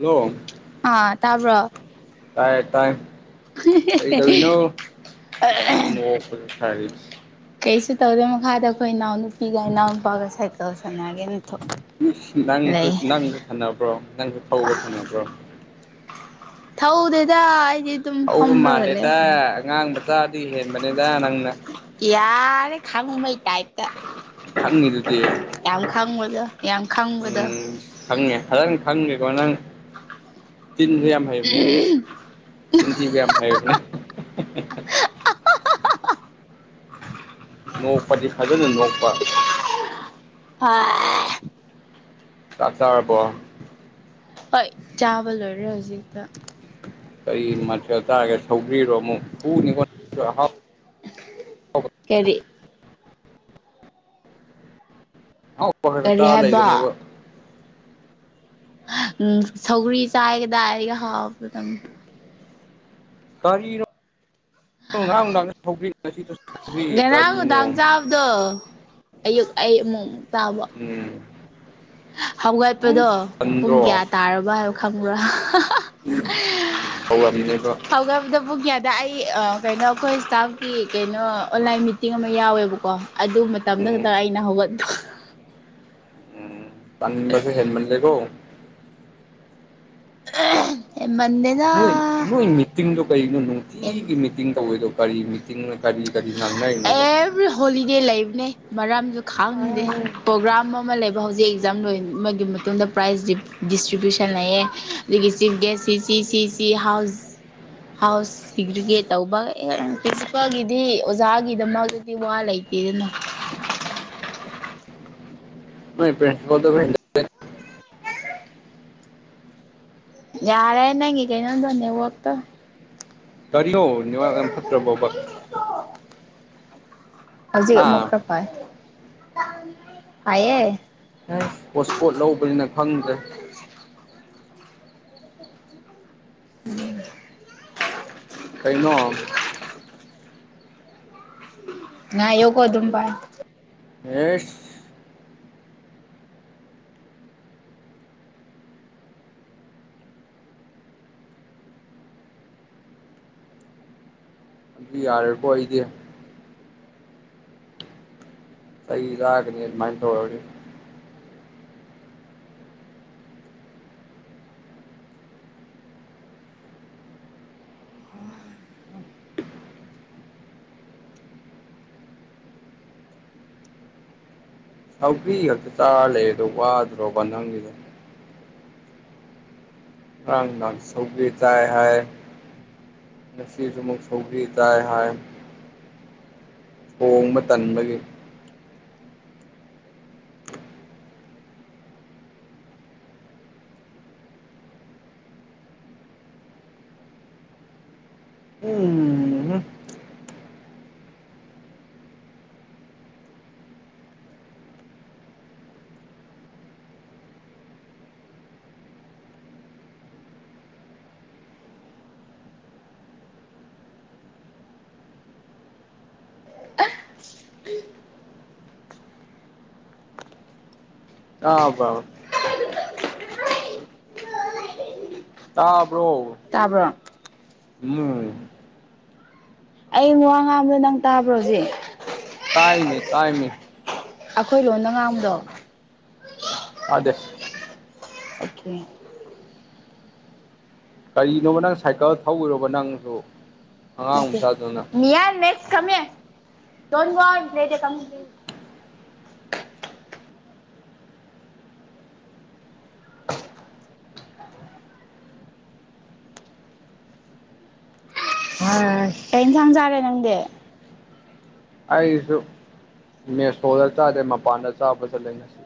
hello ꯑꯥ ꯇꯥꯕ꯭ꯔꯣ ꯇꯥꯏ ꯇꯥꯏ ꯀꯔꯤꯗꯧꯔꯤꯅꯣ ꯅꯣꯛꯄꯁꯨ ꯁꯥꯔꯤ ꯀꯩꯁꯨ ꯇꯧꯗꯦ ꯃꯈꯥꯗ ꯑꯩꯈꯣꯏ ꯏꯅꯥꯎ ꯅꯨꯄꯤꯒ ꯏꯅꯥꯎꯅꯨꯄꯥꯒ ꯁꯥꯏꯀꯜ ꯁꯥꯟꯅꯒꯦꯅ ꯊꯣꯛ ꯅꯪꯁꯨ ꯅꯪ ꯁꯥꯟꯅꯕ꯭ꯔꯣ ꯅꯪꯁꯨ ꯊꯧꯕ ꯁꯥꯟꯅꯕ꯭ꯔꯣ ꯊꯧꯗꯦꯗ ꯑꯩꯗꯤ ꯑꯗꯨꯝ ꯊꯧꯕ ꯐꯝꯔꯒ ꯂꯩ ꯃꯥꯜꯂꯦꯗ ꯑꯉꯥꯡ ꯃꯆꯥꯗꯒꯤ ꯍꯦꯟꯕꯅꯦꯗ ꯅꯪꯅ ꯌꯥꯔꯦ ꯈꯪꯕꯩ ꯇꯥꯏꯞꯇ ꯈꯪꯉꯤꯗꯨꯗꯤ ꯌꯥꯝ ꯈꯪꯕꯗꯣ ꯌꯥꯝ ꯈꯪꯕꯗꯣ ꯎꯝ ꯈꯪꯉꯦ ꯐꯖꯅ ꯈꯪꯒꯦꯀꯣ ꯅꯪ ꯆꯤꯟꯁꯨ ꯌꯥꯝ ꯍꯩꯕꯅꯦ ꯆꯤꯟ ꯊꯤꯕ ꯌꯥꯝ ꯍꯩꯕꯅꯦ ꯅꯣꯛꯄꯗꯤ ꯐꯖꯅ ꯅꯣꯛꯄ [unintelligible] ꯆꯥꯛ ꯆꯥꯔꯔꯕꯣ ꯍꯣꯏ ꯆꯥꯕ ꯂꯣꯏꯔꯦ ꯍꯧꯖꯤꯛꯇ ꯀꯩ ꯃꯊꯦꯜ ꯆꯥꯔꯒ ꯁꯧꯒ꯭ꯔꯤꯔꯣ ꯑꯃꯨꯛ ꯍꯨꯅꯤꯀꯣ [inaudible] ꯅꯪꯁꯨ ꯑꯍꯥꯎ ꯀꯔꯤ [unintelligible] ꯀꯔꯤ ꯆꯥꯔ ꯍꯥꯏꯕ ꯂꯩꯒꯅꯨꯕ ꯎꯝ ꯁꯧꯒ꯭ꯔꯤ ꯆꯥꯌꯦꯗꯥꯏꯒꯤ ꯍꯥꯎꯕ [unintelligible] ꯀꯔꯤꯅꯣ [inaudible] ꯉꯔꯥꯡ ꯅꯨꯡꯗꯥꯡꯁꯨ ꯁꯧꯒ꯭ꯔꯤ ꯉꯁꯤꯁꯨ ꯁꯧꯒ꯭ꯔꯤ ꯉꯔꯥꯡ ꯅꯨꯡꯗꯥꯡ ꯀꯔꯤꯅꯣ ꯆꯥꯕꯗꯣ ꯑꯌꯨꯛ ꯑꯩ ꯑꯃꯨꯃꯨꯛ ꯆꯥꯕ ꯎꯝ ꯍꯧꯒꯠꯄꯗꯣ ꯑꯁ ꯄꯨꯡ ꯀꯌꯥ ꯇꯟꯗ꯭ꯔꯣ ꯇꯥꯔꯕ ꯍꯥꯏꯕ ꯈꯪꯕ꯭ꯔꯥ ꯎꯝ ꯐꯧꯃꯤꯅꯦꯕ ꯍꯧꯒꯕꯗ ꯄꯨ ꯀ꯭ꯌꯥꯗ ꯑꯩ ꯀꯩꯅꯣ ꯑꯩꯈꯣꯏ ꯏꯁ꯭ꯇꯥꯐꯀꯤ ꯀꯩꯅꯣ ꯑꯣꯟꯂꯥꯏꯟ ꯃꯤꯇꯤꯡ ꯑꯃ ꯌꯥꯎꯋꯦꯕꯀꯣ ꯑꯗꯨ ꯃꯇꯝꯗ ꯎꯝ ꯈꯛꯇꯪ ꯑꯩꯅ ꯍꯧꯒꯠꯄ ꯎꯝ ꯄꯥꯟꯕꯁꯨ ꯍꯦꯟꯃꯖꯩꯒꯣ ꯎ ꯃꯗꯦꯅ ꯅꯣꯏ ꯅꯣꯏ ꯃꯤꯇꯤꯡꯗꯣ ꯀꯩꯅꯣ ꯅꯨꯡꯇꯤꯒꯤ ꯃꯤꯇꯤꯡ ꯇꯧꯋꯦꯗꯣ ꯀꯔꯤ ꯆꯤꯡꯅ ꯀꯔꯤ ꯀꯔꯤ ꯉꯥꯡꯅꯔꯤꯅꯣꯕ ꯑꯦꯕ꯭ꯔꯤ ꯍꯣꯂꯤꯗꯦ ꯂꯩꯕꯅꯦ ꯃꯔꯝꯁꯨ ꯈꯥꯡꯗꯦ ꯄ꯭ꯔꯣꯒ꯭ꯔꯥꯝ ꯑꯃ ꯂꯩꯕ ꯑꯗꯣ ꯍꯧꯖꯤꯛ ꯑꯦꯛꯖꯥꯝ ꯂꯣꯏ ꯑꯃꯒꯤꯒꯤ ꯃꯇꯨꯡꯗ ꯄ꯭ꯔꯥꯏꯖ ꯗꯤꯁꯇ꯭ꯔꯤꯕ꯭ꯌꯨꯁꯟ ꯂꯩꯌꯦꯦ ꯑꯗꯨꯗꯒꯤ ꯆꯤꯐ ꯒꯦꯁ ꯁꯤ ꯍꯥꯎꯁ ꯍꯥꯎꯁ ꯁꯤꯒ꯭ꯔꯤꯒꯦꯠ ꯇꯧꯕ ꯄ꯭ꯔꯤꯟꯁꯤꯄꯥꯜꯒꯤ ꯗꯤ ꯑꯣꯖꯥꯒꯤꯗꯃꯛꯇꯗꯤ ꯋꯥ ꯂꯩꯇꯦꯗꯅ ꯃꯣꯏ ꯄ꯭ꯔ ꯀ ꯌꯥꯔꯦ ꯅꯪ ꯀꯩꯅꯣꯟ ꯅꯦ ꯍꯛꯇꯣ ꯀꯔꯤꯌꯣ ꯉꯥꯛ ꯌꯥꯝ ꯐꯠꯇ꯭ꯔꯕꯕ ꯍꯧꯖꯤꯛ ꯑꯃꯨꯛ ꯑꯥ ꯈꯔ ꯐꯥꯏ ꯍꯥꯏꯌꯦ ꯍꯣꯠ ꯏꯁꯄꯣꯠ ꯂꯧꯕꯅꯤꯅ ꯈꯪꯗ꯭ꯔꯦ ꯎꯝ ꯀꯩꯅꯣ ꯉ ꯌꯦꯧ ꯀꯣ ꯑꯗꯨꯝ ꯄꯥꯏ ꯑꯦ ꯑꯗꯨ ꯌꯥꯔꯀꯣ ꯑꯣꯏꯗꯤ ꯁꯩ ꯔꯑꯒꯅꯤꯃꯥꯏ ꯇꯧ ꯁꯧꯒ꯭ꯔꯤ ꯈꯛꯇ ꯆꯥꯔ ꯂꯩ ꯑꯗꯣ ꯋꯥꯗ꯭ꯔꯣꯕ ꯅꯪꯒꯤꯗ ꯔꯪ ꯅꯪ ꯁꯧꯒꯤ ꯆꯥꯏ ꯍꯥꯏ ꯉꯁꯤꯁꯨ ꯑꯃꯨꯛ ꯁꯧꯕꯤ ꯇꯥꯏ ꯍꯥꯏ ꯍꯣꯡꯕ ꯇꯟꯕꯒꯤ ꯎꯝ ꯑ ꯑꯕ ꯇꯥꯕ꯭ꯔꯣ ꯇꯥꯕ꯭ꯔꯣ ꯎꯝ ꯑꯩ ꯃ ꯋꯥ ꯉꯥꯝꯗꯣ ꯅꯪ ꯇꯥꯕ꯭ꯔꯣ ꯍꯧꯖꯤꯛ ꯇꯥꯏꯅꯤ ꯇꯥꯏꯅꯤ ꯑꯩꯈꯣꯏ ꯂꯣꯟꯗ ꯉꯥꯡꯕꯗꯣ ꯑꯗꯦ ꯑꯣꯀꯦ ꯀꯔꯤꯅꯣ ꯅꯪ ꯁꯥꯏꯀꯜ ꯊꯧ ꯑꯣꯏꯔꯣꯔꯕ ꯅꯪꯁꯨ ꯅꯦ ꯑꯉꯥꯡ ꯃꯆꯥꯗꯨꯅ ꯃꯤ ꯌꯥ ꯅꯦ ꯍ ꯀꯩ ꯌꯦꯟꯁꯥꯡ ꯆꯥꯔꯦ ꯅꯪꯗꯤ ꯑꯩꯁꯨ ꯃꯦꯁꯣꯔꯗ ꯆꯥꯗꯦ ꯃꯄꯥꯟꯗ ꯆꯥꯕꯁꯨ ꯂꯩꯅꯁꯤꯦ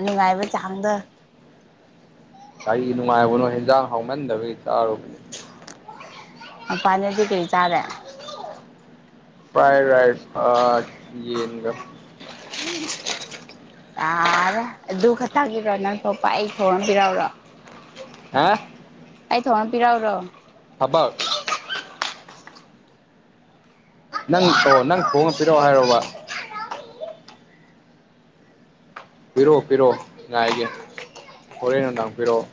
ꯅꯨꯡꯉꯥꯏꯕ ꯆꯥꯡꯗ ꯀꯒꯥꯔꯤ ꯅꯨꯡꯉꯥꯏꯕꯅꯣ ꯍꯦꯟꯖꯥꯡ ꯍ ꯍꯧꯅꯟꯗꯕꯒꯤ ꯆꯥꯔꯨꯕꯅꯦ ꯃꯄꯥꯥꯟꯅꯦꯗꯤ ꯀꯔꯤ ꯆꯥꯔꯦ ꯐ꯭ꯔꯥꯏ ꯔꯥꯏꯁ ꯌꯦꯟꯒ ꯎꯝ ꯇꯥꯔꯦ ꯑꯗꯨ ꯈꯛꯇꯒꯤꯔꯣ ꯅꯪ ꯊꯣꯛꯣꯄ ꯑꯩ ꯊꯣꯡꯝꯕꯤꯔꯛꯎꯔꯣ ꯍꯥ ꯑꯩ ꯊꯣꯡꯉ ꯄꯤꯔꯛꯎꯔꯣ ꯑꯕꯥꯛ ꯅꯪ ꯑꯣ ꯅꯪ ꯊꯣꯡꯉꯄꯤꯔꯛꯑꯣ ꯍꯥꯏꯔꯣꯕ ꯄꯤꯔꯛꯑꯣ ꯄꯤꯔꯛꯑꯣ ꯉꯥꯏꯒꯦ ꯍꯣꯔꯦꯟ ꯅꯨꯡꯗꯥꯡ ꯄꯤꯔꯛꯑꯣ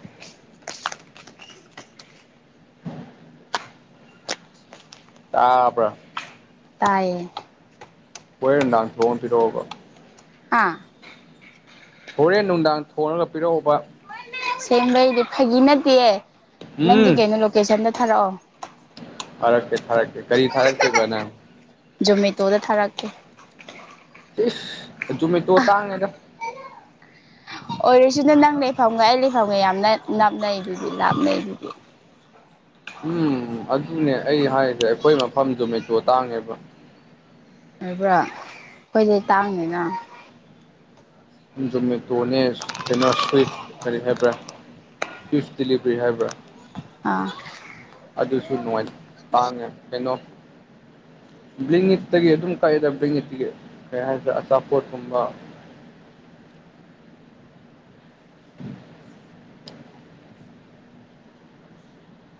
ꯇꯥꯕ꯭ꯔ ꯇꯥꯏꯌꯦ ꯍꯣꯔꯦꯟ ꯅꯨꯝꯗꯥꯡ ꯊꯣꯡꯉ ꯄꯤꯔꯛꯑꯣꯕ ꯍꯥ ꯍꯣꯔꯦꯟ ꯅꯨꯡꯗꯥꯡ ꯊꯣꯉꯒ ꯄꯤꯔꯛꯎꯕ ꯁꯦꯡꯕꯩꯗꯤ ꯐꯒꯤ ꯅꯠꯇꯦꯌꯦ ꯅꯪꯒꯤ ꯎꯝ ꯀꯩꯅꯣ ꯂꯣꯀꯦꯁꯟꯗꯣ ꯊꯥꯔꯛꯑꯣ ꯊꯣꯔꯛꯀꯦ ꯊꯥꯔꯛꯀꯦ ꯀꯔꯤ ꯊꯥꯔꯛꯇꯣꯏꯕ ꯅꯪ ꯖꯣꯃꯦꯇꯣꯗ ꯊꯥꯔꯛꯀꯦ ꯏꯁ ꯖꯨꯝꯃꯤꯇꯣ ꯇꯥꯡꯉꯦꯗ ꯑꯣꯏꯔꯁꯨꯅ ꯅꯪ ꯂꯩꯐꯝꯒ ꯑꯩ ꯂꯩꯐꯝꯒ ꯌꯥꯝꯅ ꯅꯥꯞꯅꯩꯕꯨꯗꯤ ꯂꯥꯞꯅꯩꯕꯨꯗꯤ ꯎꯝ ꯑꯗꯨꯅꯦ ꯑꯩ ꯍꯥꯏꯔꯤꯁꯦ ꯑꯩꯈꯣꯏ ꯃꯐꯝ ꯖꯣꯃꯦꯇꯣ ꯇꯥꯡꯉꯦꯕ ꯍꯥꯏꯕ꯭ꯔꯥ ꯑꯩꯈꯣꯏꯗꯤ ꯇꯥꯡꯗꯦꯅ ꯖꯣꯃꯦꯇꯣꯅꯦ ꯀꯩꯅꯣ ꯁ꯭ꯋꯤꯐ ꯀꯔꯤ ꯍꯥꯏꯕ꯭ꯔꯥ ꯁ꯭ꯋꯤꯐ ꯗꯤꯂꯤꯚꯔꯤ ꯍꯥꯏꯕ꯭ꯔꯥ ꯑꯥ ꯑꯗꯨꯁꯨ ꯅꯨꯡꯉꯥꯏ ꯇꯥꯡꯉꯦ ꯀꯩꯅꯣ ꯕ꯭ꯔꯤꯡꯒꯤꯠꯇꯒꯤ ꯑꯗꯨꯝ ꯀꯛꯑꯦꯗ ꯕ꯭ꯡꯒꯤꯠꯇꯒꯤ ꯀꯩ ꯍꯥꯏꯁꯤꯔ ꯑꯆꯥꯄꯣꯠꯀꯨꯝꯕ [unintelligible]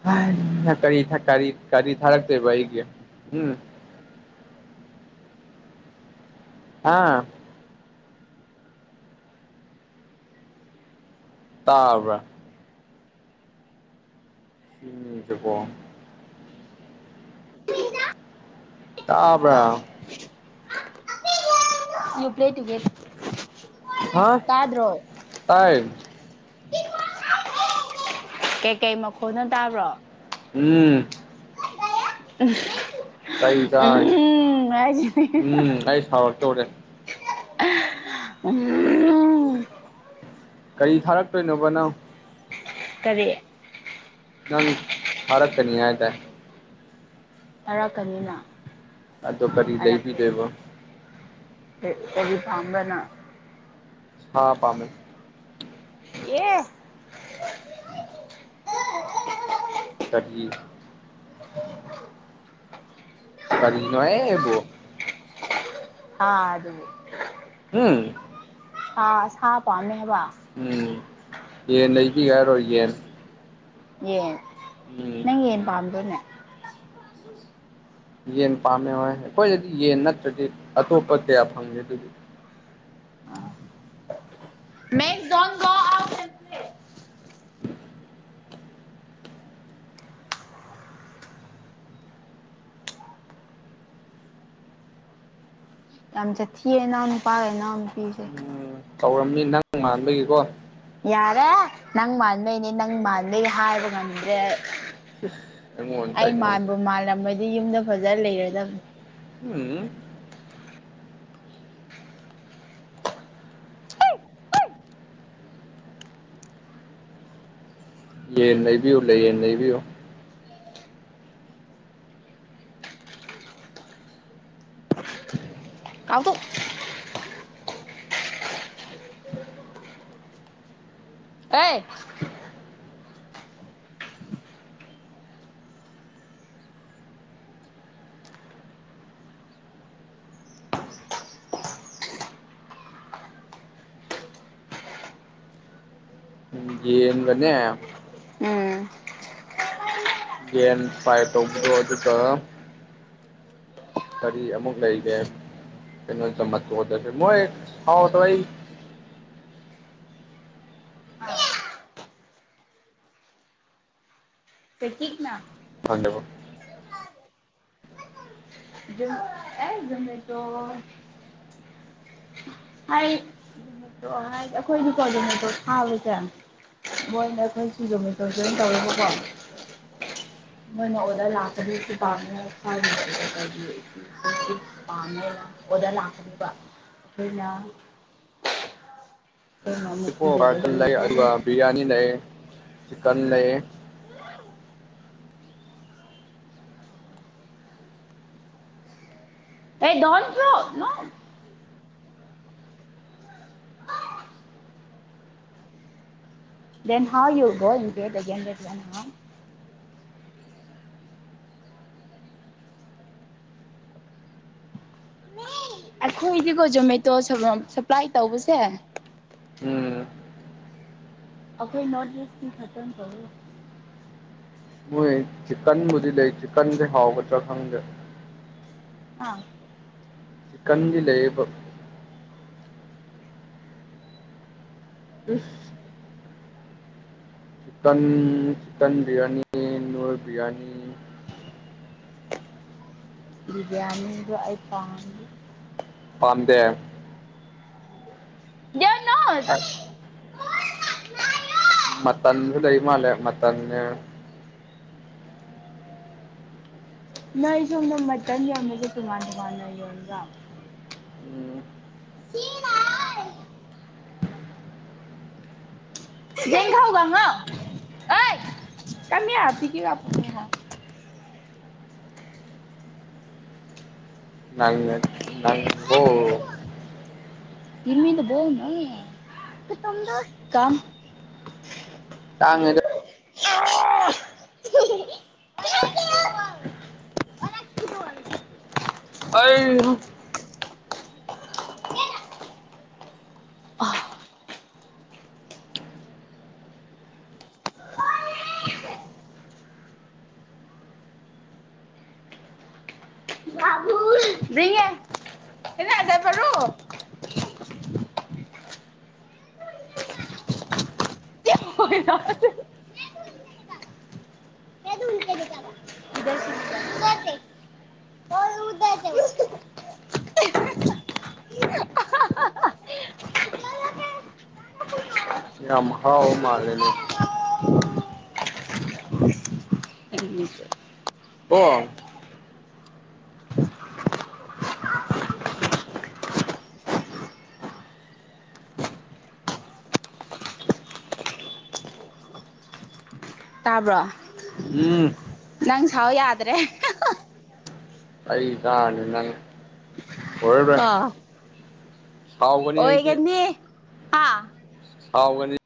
[unintelligible] ꯀꯔꯤ ꯀꯔꯤ ꯀꯔꯤ ꯊꯥꯔꯛꯇꯣꯏꯕ ꯑꯩꯒꯤ ꯎꯝ ꯑꯥ ꯇꯥꯕ꯭ꯔꯥ [unintelligible] ꯇꯥꯕ꯭ꯔ [unintelligible] ꯍꯥ ꯇꯥꯗ꯭ꯔꯣ ꯇꯥꯏ ꯀꯩꯀꯩ ꯃꯈꯣꯟꯅꯣ ꯇꯥꯕ꯭ꯔꯣ ꯎꯝ [unintelligible] ꯎꯝ ꯍꯥꯏꯁꯤꯅꯤ [unintelligible] ꯎꯝ ꯑꯩ ꯁꯥꯎꯔꯛꯇꯧꯔꯦ [unintelligible] ꯀꯔꯤ ꯊꯥꯔꯛꯇꯣꯏꯅꯣꯕ ꯅꯪ ꯀꯔꯤ ꯅꯪ ꯊꯥꯔꯛ ꯀꯅꯤ ꯍꯥꯏ ꯗꯥꯏ ꯇꯥꯔꯛꯀꯅꯤꯅ ꯑꯗꯣ ꯀꯔꯤ ꯂꯩꯕꯤꯗꯣꯏꯕ [unintelligible] ꯀꯔꯤ ꯄꯥꯝꯕ꯭ꯔ ꯅꯪ ꯁꯥ ꯄꯥꯝꯃꯦ ꯌꯦ ꯇꯒꯤ [unintelligible] ꯀꯔꯤꯅꯣ ꯍꯦꯕꯣ ꯍꯥ ꯗꯨ ꯎꯝ ꯁꯥ ꯁꯥ ꯄꯥꯝꯃꯦ ꯍꯥꯏꯕ ꯎꯝ ꯌꯦꯟ ꯂꯩꯕꯤꯒꯦ ꯍꯥꯏꯔꯣ ꯌꯦꯟ ꯌꯦꯟ ꯎꯝ ꯅꯪ ꯌꯦꯟ ꯄꯥꯝꯗ꯭ꯔꯣꯅꯦ ꯌꯦꯟ ꯄꯥꯝꯃꯦ ꯍꯣꯏ ꯑꯩꯈꯣꯏꯗꯗꯤ ꯌꯦꯟ ꯅꯠꯇ꯭ꯔꯗꯤ ꯑꯇꯣꯞꯄ ꯀꯌꯥ ꯐꯪꯗꯦ ꯑꯗꯨꯒꯤ ꯑꯥ [unintelligible] ꯌꯥꯝ ꯖꯊꯤꯌꯦ ꯏꯅꯥꯎꯅꯨꯄꯥꯒ ꯏꯅꯥꯎꯅꯨꯄꯤꯁꯦ ꯇꯧꯔꯝꯃꯤ ꯅꯪ ꯃꯥꯟꯕꯒꯤꯀꯣ ꯌꯥꯔꯦ ꯅꯪ ꯃꯥꯟꯕꯩꯅꯤ ꯅꯪ ꯃꯥꯟꯕꯩ ꯍꯥꯏꯕ ꯉꯝꯗ꯭ꯔꯦ ꯑꯩꯉꯣꯟ ꯑꯩ ꯇꯥꯏꯅꯕꯁꯦ ꯃꯥꯟꯕꯨ ꯃꯥꯜꯂꯝꯃꯗꯤ ꯌꯨꯝꯗ ꯐꯖꯅ ꯂꯩꯔꯗꯕꯅꯤ ꯎꯝ ꯌꯦꯟ ꯂꯩꯕꯤꯌꯨ ꯂꯩ ꯌꯦꯟ ꯂꯩꯕꯤꯌꯨ ꯀꯥꯎꯗꯨ ꯍꯩ ꯌꯦꯟꯒꯅꯦ ꯎꯝ ꯌꯦꯟ ꯐ꯭ꯔꯥꯢ ꯇꯧꯕꯗꯣ ꯑꯗꯨꯒ ꯀꯔꯤ ꯑꯃꯨꯛ ꯂꯩꯒꯦ ꯀꯩꯅꯣ ꯆꯝꯃꯄ ꯈꯣꯠꯁꯦ ꯃꯣꯏ ꯍꯥꯎꯗ ꯑꯩ [unintelligible] [unintelligible] [unintelligible] ꯍꯥꯏ ꯅꯨꯃꯤꯠꯇꯣ ꯍꯥꯏꯗꯤ ꯑꯩꯈꯣꯏꯗꯤꯀꯣ ꯅꯨꯃꯤꯠꯇꯣ ꯊꯥꯕꯁꯦ ꯃꯣꯏ ꯅ ꯑꯩꯈꯣꯏ ꯁꯤꯡꯖꯣꯖꯣꯏ ꯇꯧꯔꯦꯕꯀꯣ ꯃꯣꯢꯅ ꯑꯣꯗꯔ ꯂꯥꯛ [unintelligible] ꯄꯥꯝꯃꯦ ꯑꯣꯗ ꯂꯥꯛꯀꯅꯤꯕ ꯕꯔꯒꯔ ꯂꯩ ꯑꯗꯨꯒ [unintelligible] ꯕꯤꯔꯌꯥꯅꯤ ꯂꯩ ꯆꯤꯀꯟ ꯂꯩ ꯑꯦ ꯗꯣꯟ ꯄꯣ ꯅ ꯗꯦꯟ ꯍꯥꯎ ꯌꯣꯒꯣ ꯏꯟ ꯍ ꯑꯩꯈꯣꯏꯗꯤꯀꯣ ꯖꯣꯃꯦꯇꯣ ꯁꯄ꯭ꯂꯥꯏ ꯇꯧꯕꯁꯦ ꯎꯝ ꯑꯈꯣꯏ ꯅꯣꯠ ꯏꯦꯁ ꯈꯇ ꯇꯣ ꯃꯣꯏ ꯆꯤꯛꯀꯟꯕꯨꯗꯤ ꯂꯩ ꯆꯤꯀꯟꯁꯦ ꯍꯥꯎꯒꯗ꯭ꯔꯥ ꯈꯪꯗꯔꯦ ꯑꯥ ꯆꯤꯀꯟꯗꯤ ꯂꯩꯌꯦꯕ [unintelligible] ꯇꯟ ꯇꯟ ꯕꯤꯔꯌꯥꯅꯤ ꯅꯨꯔ ꯕꯤꯔꯌꯥꯅꯤ ꯕꯤꯔꯌꯥꯅꯤ ꯑꯗꯨ ꯄꯥꯝꯗꯦ ꯗꯦꯠ ꯅꯣꯠ ꯑ ꯃꯇꯟꯁꯨ ꯂꯩ ꯃꯥꯂꯦ ꯃ ꯃꯇꯟꯅꯦ ꯅꯣꯏ ꯁꯣꯝꯗ ꯃꯇꯟ ꯌꯣꯟꯕꯁꯦ ꯇꯣꯉꯥꯟ ꯇꯣꯉꯥꯟꯅ ꯌꯣꯟꯕ꯭ꯔ ꯎꯝ [unintelligible] [unintelligible] ꯒꯤꯞ ꯃꯤ ꯗ ꯕꯣꯜ ꯅ ꯀꯝ ꯇꯥꯡꯉꯦ ꯑꯩ ꯑ ꯃꯤꯉꯦ ꯏꯂꯗꯕꯔꯣ ꯍꯣꯏ ꯌꯥꯝ ꯍꯥꯎ ꯃꯥꯂꯦꯅꯦ ꯑꯣ ꯇꯥꯕ꯭ꯔꯣ ꯎꯝ ꯅꯪ ꯁꯥꯎ ꯌꯥꯗ꯭ꯔꯦ ꯑꯩ ꯀꯥ ꯅꯪ ꯑꯣꯏꯔꯕ꯭ꯔ ꯀꯣ [inaudible] ꯑꯩꯗꯤ ꯑꯣꯏꯒꯅꯤ ꯍꯥꯥ ꯍꯥꯎꯕꯅꯤ